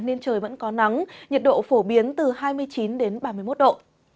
nên trời vẫn có nắng nhiệt độ phổ biến từ hai mươi chín đến ba mươi một độ